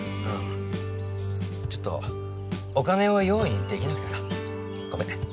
ちょっとお金を用意できなくてさごめん。